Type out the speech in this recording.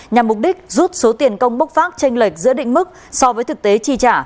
nhằm mục đích rút số tiền công bốc phát tranh lệch giữa định mức so với thực tế chi trả